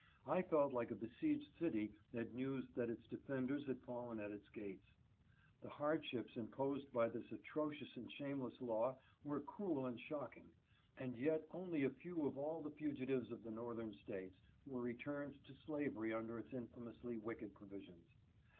I felt like a besieged city at news that its defenders had fallen at its gates. The hardships imposed 348 SIMMS AND ANTHONY BURNS. by this atrocious and shameless law were cruel and shock ing, and yet only a few of all the fugitives of the North ern States were returned to slavery under its infamous ly wicked provisions.